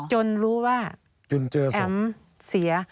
จนรู้ว่าผมเสีย